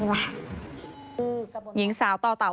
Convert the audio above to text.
ก็ไม่รู้ว่าฟ้าจะระแวงพอพานหรือเปล่า